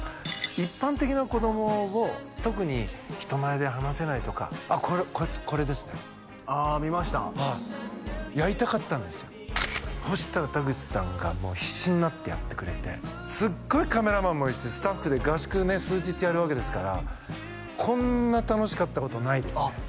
一般的な子供を特に人前で話せないとかあっこれですねあ見ましたはいやりたかったんですよそしたら田口さんがもう必死になってやってくれてすっごいカメラマンも一緒にスタッフで合宿ね数日やるわけですからこんな楽しかったことはないですねあっ